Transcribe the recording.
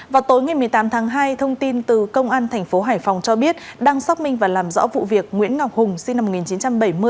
vào tối ngày một mươi tám tháng hai thông tin từ công an tp hải phòng cho biết đang xác minh và làm rõ vụ việc nguyễn ngọc hùng sinh năm một nghìn chín trăm bảy mươi